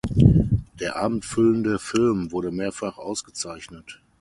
Der abendfüllende Film wurde mehrfach ausgezeichnet.